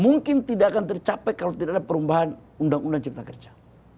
mungkin tidak akan tercapai kalau tidak ada perubahan undang undang cipta kerja